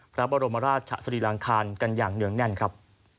พระบรมราชสรีรังคารกันอย่างเนื่องแน่นครับ